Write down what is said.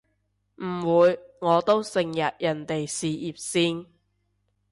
唔會，我都成日人哋事業線